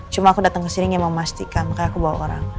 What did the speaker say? cuma aku datang ke sini ingin memastikan makanya aku bawa orang